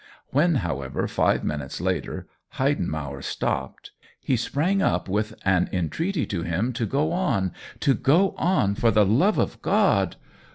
When, however, five minutes later Heidenmauer stopped, he sprang up with an entreaty to him to go on, to go on, for the love of God.